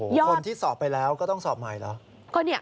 คนที่สอบไปแล้วก็ต้องสอบใหม่เหรอ